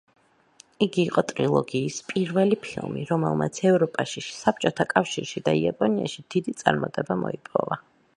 იგი იყო ტრილოგიის პირველი ფილმი, რომელმაც ევროპაში, საბჭოთა კავშირში და იაპონიაში დიდი წარმატება მოიპოვა.